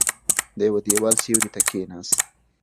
د يوه دېوال سيوري ته کېناست.